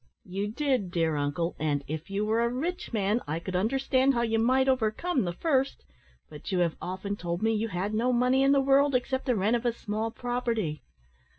"You did, dear uncle; and if you were a rich man, I could understand how you might overcome the first; but you have often told me you had no money in the world except the rent of a small property."